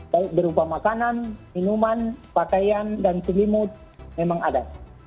baik berupa makanan minuman pakaian dan selimut memang ada